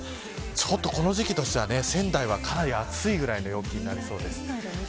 この時期としては仙台はかなり暑いぐらいの陽気になりそうです。